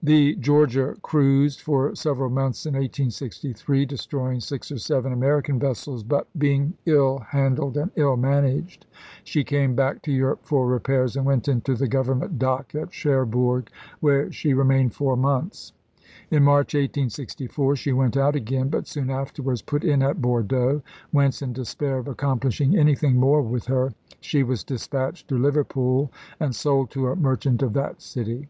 The ,g?oS&2 Georgia cruised for several months in 1863, de Sirupe?'1' stroying six or seven American vessels; but be PJ.°26i 2e>a 138 ABRAHAM LINCOLN chap. vi. ing ill handled and ill managed, she came back to Europe for repairs and went into the Govern ment dock at Cherbourg, where she remained four months. In March, 1864, she went out again, but soon afterwards put in at Bordeaux, whence, in despair of accomplishing anything more with her, she was dispatched to Liverpool and sold to a merchant of that city.